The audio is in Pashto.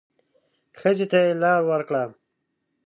ښځې ته يې لار ورکړه.